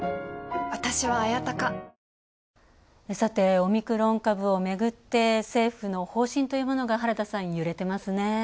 オミクロン株をめぐって政府の方針というものが揺れていますね。